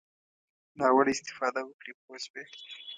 ناوړه استفاده وکړي پوه شوې!.